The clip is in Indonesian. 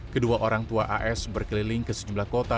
kedua orang tua as berkeliling ke sejumlah kota